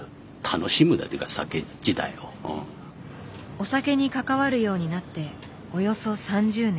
お酒に関わるようになっておよそ３０年。